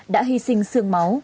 đã hy sinh sương máu